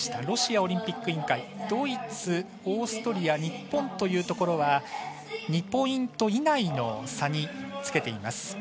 ロシアオリンピック委員会ドイツ、オーストリア日本というところは２ポイント以内の差につけています。